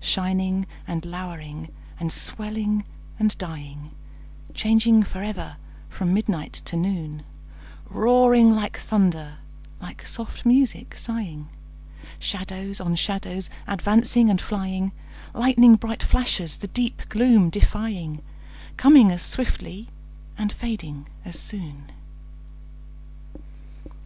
Shining and lowering and swelling and dying, Changing forever from midnight to noon; Roaring like thunder, like soft music sighing, Shadows on shadows advancing and flying, Lighning bright flashes the deep gloom defying, Coming as swiftly and fading as soon.